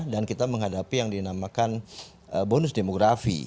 dan kita menghadapi yang dinamakan bonus demografi